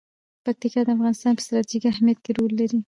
پکتیا د افغانستان په ستراتیژیک اهمیت کې رول لري.